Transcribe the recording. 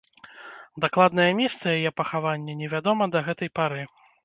Дакладнае месца яе пахавання невядома да гэтай пары.